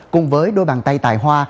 cùng với đôi bàn tay tài hoa